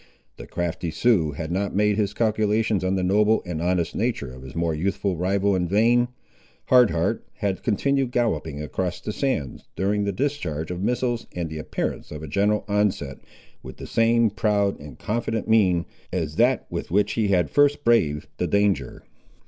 The crafty Sioux had not made his calculations on the noble and honest nature of his more youthful rival in vain. Hard Heart had continued galloping across the sands, during the discharge of missiles and the appearance of a general onset, with the same proud and confident mien, as that with which he had first braved the danger.